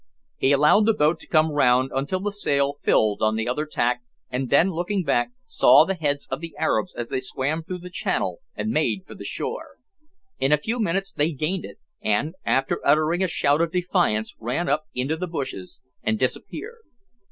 He allowed the boat to come round until the sail filled on the other tack, and then looking back, saw the heads of the Arabs as they swam through the channel and made for the shore. In a few minutes they gained it, and, after uttering a shout of defiance, ran up into the bushes and disappeared.